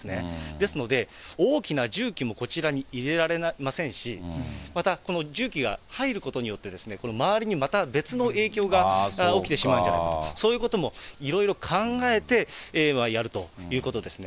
ですので、大きな重機もこちらに入れられませんし、またこの重機が入ることによって、この周りにまた別の影響が起きてしまうんじゃないかと、そういうこともいろいろ考えてやるということですね。